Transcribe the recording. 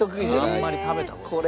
あんまり食べた事ない。